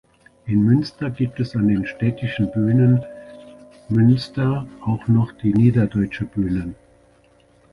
In Münster gibt es an den Städtischen Bühnen Münster auch noch die Niederdeutsche Bühne.